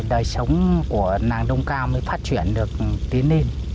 đời sống của nàng đông cao mới phát triển được tí nên